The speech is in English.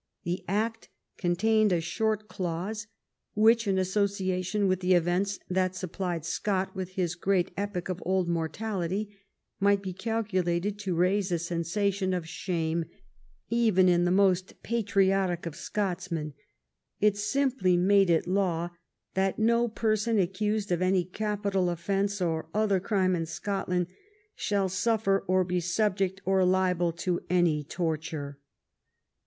'^ The Act contained a short clause that, in associa tion with the events that supplied Scott with his great epic of Old Mortality, might be calculated to raise a sensation of shame even in the most patriotic of Scotsmen. It simply made it law that "no person accused of any capital offence or other crime in Scot land, shall suffer or be subject or liable to any tort ure."